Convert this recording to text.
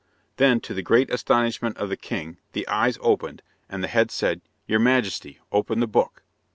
Then, to the great astonishment of the king, the eyes opened, and the head said, "Your majesty, open the book."